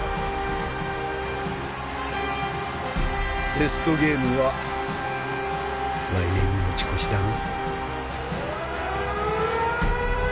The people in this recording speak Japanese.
ベストゲームは来年に持ち越しだな。